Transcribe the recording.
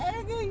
ya tidak pernah